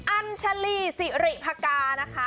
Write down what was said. อันชลีสิริภกรานะคะ